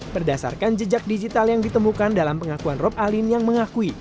berdasarkan jejak digital yang ditemukan dalam pengakuan rob alin yang mengakui